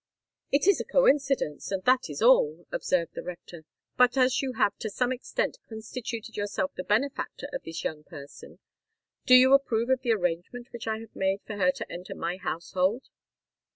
"It is a coincidence—and that is all," observed the rector. "But as you have to some extent constituted yourself the benefactor of this young person, do you approve of the arrangement which I have made for her to enter my household?"